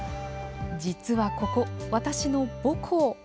実はここ、私の母校。